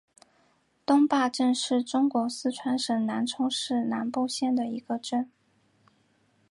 东坝镇是中国四川省南充市南部县的一个镇。